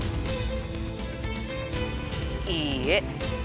いいえ。